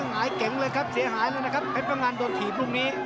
หายเก๋งเลยครับเสียหายเลยนะครับเพชรพังงานโดนถีบลูกนี้